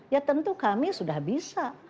ya tentu kami sudah bisa